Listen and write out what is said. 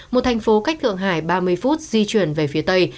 một thành phố cách thượng hải ba mươi phút di chuyển về phía tây